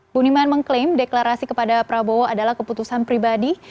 buniman mengklaim deklarasi kepada prabowo adalah keputusan pribadi